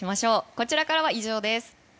こちらからは以上です。